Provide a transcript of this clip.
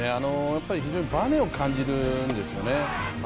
非常にバネを感じるんですよね。